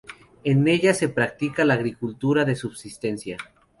En ellas se practica la agricultura de subsistencia.